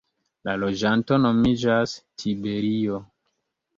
La loĝanto nomiĝas "tiberio".